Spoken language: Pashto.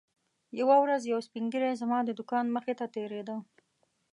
یوه ورځ یو سپین ږیری زما د دوکان مخې ته تېرېده.